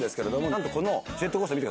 なんとこのジェットコースター。